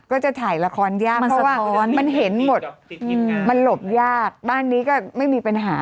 ก็จะถ่ายละครยากเพราะว่ามันเห็นหมดมันหลบยากบ้านนี้ก็ไม่มีปัญหา